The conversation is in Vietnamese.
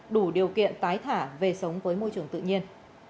đủ điều kiện tái thả về sống với môi trường tự nhiên